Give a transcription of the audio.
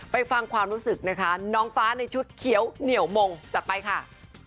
ฟังความรู้สึกนะคะน้องฟ้าในชุดเขียวเหนี่ยวมงจัดไปค่ะ